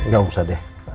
gak usah deh